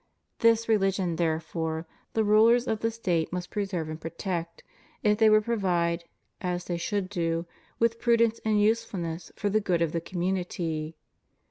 This religion, therefore, the rulers of the State must preserve and protect, if they would provide — as they should do — with prudence and usefulness for the good of the community.